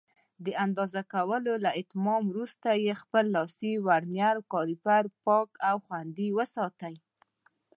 د اندازه کولو له اتمامه وروسته خپل لاسي ورنیر کالیپر پاک او خوندي وساتئ.